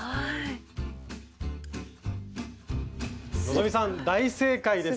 希さん大正解です！